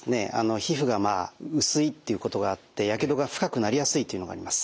皮膚が薄いっていうことがあってやけどが深くなりやすいというのがあります。